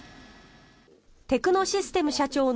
テクノシステム社長の